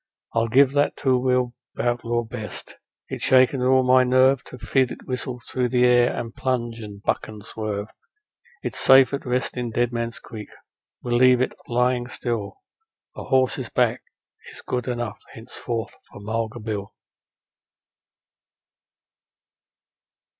I'll give that two wheeled outlaw best; it's shaken all my nerve To feel it whistle through the air and plunge and buck and swerve. It's safe at rest in Dead Man's Creek, we'll leave it lying still; A horse's back is good enough henceforth for Mulga Bill.'